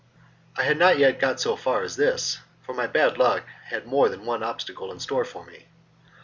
I had not yet got so far as this, for my bad luck had more than one obstacle in store for me.